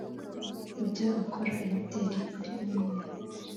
ujya ukora imideli uri umwe?